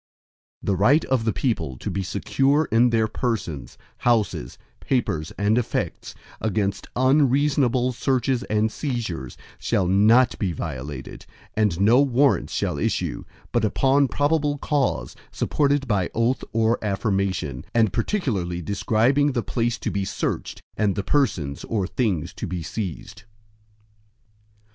IV The right of the people to be secure in their persons, houses, papers, and effects, against unreasonable searches and seizures, shall not be violated, and no Warrants shall issue, but upon probable cause, supported by oath or affirmation, and particularly describing the place to be searched, and the persons or things to be seized.